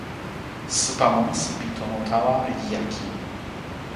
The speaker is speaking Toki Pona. supa monsi pi tomo tawa li jaki.